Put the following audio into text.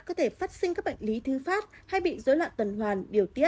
có thể phát sinh các bệnh lý thư phát hay bị dối loạn tuần hoàn điều tiết